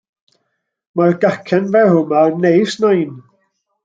Mae'r gacen ferw ma' yn neis nain.